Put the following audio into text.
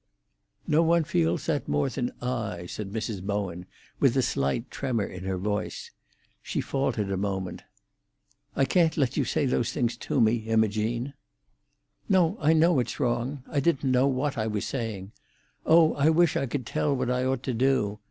"No one feels that more than I," said Mrs. Bowen, with a slight tremor in her voice. She faltered a moment. "I can't let you say those things to me, Imogene." "No; I know it's wrong. I didn't know what I was saying. Oh, I wish I could tell what I ought to do!